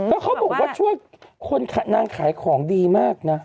แล้วเขาบอกว่าช่วยคนนางขายของดีมากนะ